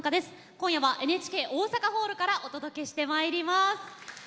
今夜はＮＨＫ大阪ホールからお届けします。